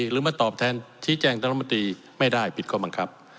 หรือมาตอบแทนชี้แจ้งท่านรัฐมนตรีไม่ได้ผิดข้อบังคับ